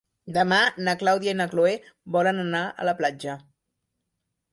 Demà na Clàudia i na Cloè volen anar a la platja.